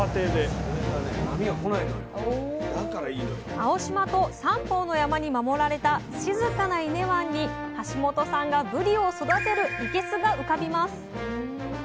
青島と三方の山に守られた静かな伊根湾に橋本さんがぶりを育てるいけすが浮かびます。